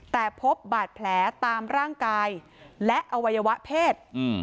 แต่พบบาดแผลตามร่างกายและอวัยวะเพศ